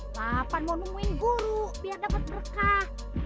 lapan mau nungguin guru biar dapat berkah